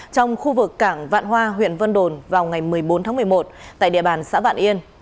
trong khu vực cảng vạn hoa huyện vân đồn vào ngày một mươi bốn tháng một mươi một tại địa bàn xã vạn yên